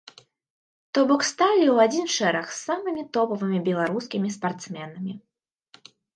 То бок сталі ў адзін шэраг з самымі топавымі беларускімі спартсменамі.